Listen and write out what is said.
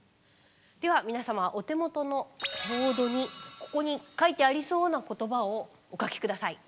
では皆さまお手元のボードにここに書いてありそうな言葉をお書き下さい。